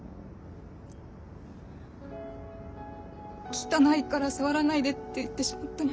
「汚いから触らないで！」って言ってしまったの。